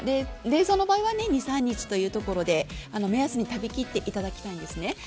冷蔵の場合は２３日ということで目安に食べきっていただきたいんですね。